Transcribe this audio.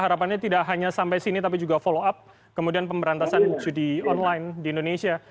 harapannya tidak hanya sampai sini tapi juga follow up kemudian pemberantasan judi online di indonesia